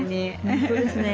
本当ですね。